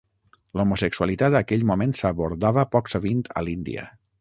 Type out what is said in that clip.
L'homosexualitat aquell moment s'abordava poc sovint a l'Índia.